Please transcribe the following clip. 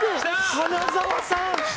花澤さん！